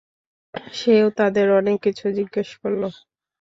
সেও তাদের অনেক কিছু জিজ্ঞেস করল।